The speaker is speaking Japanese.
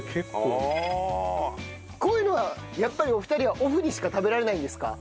こういうのはやっぱりお二人はオフにしか食べられないんですか？